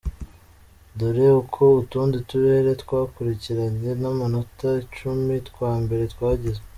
Dore uko utundi turere twakurikiranye n’amanota icumi twa mbere twagize.